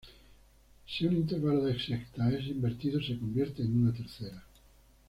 Si un intervalo de sexta es invertido se convierte en una tercera.